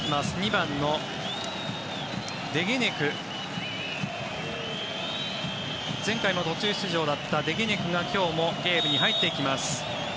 ２番のデゲネク前回も途中出場だったデゲネクが今日もゲームに入っていきます。